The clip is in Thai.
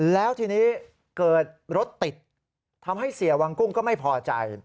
แล้วทีนี้เกิดรถติดทำให้เสียวังกุ้งก็ไม่พอใจ